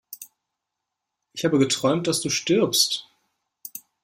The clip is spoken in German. Ich habe geträumt, dass du stirbst!